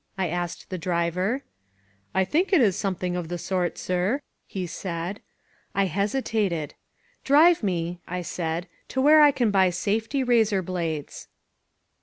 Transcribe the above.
I asked the driver, "I think it is something of the sort, sir," he said. I hesitated. "Drive me," I said, "to where I can buy safety razor blades."